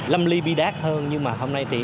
lâm ly bi đác hơn nhưng mà hôm nay thì